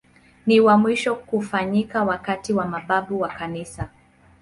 Ni wa mwisho kufanyika wakati wa mababu wa Kanisa.